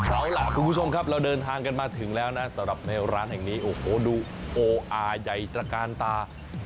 เอาล่ะคุณผู้ชมครับเราเดินทางกันมาถึงแล้วนะสำหรับในร้านแห่งนี้โอ้โหดูโออาใหญ่ตระกาลตา